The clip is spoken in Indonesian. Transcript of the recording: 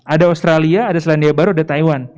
ada australia ada selandia baru ada taiwan